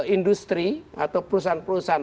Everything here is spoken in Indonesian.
industri atau perusahaan perusahaan